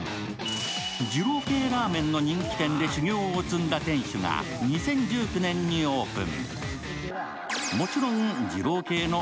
二郎系ラーメンの人気店で修業を積んだ店主が２０１９年にオープン。